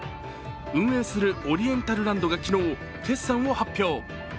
運営するオリエンタルランドが昨日、決算を発表。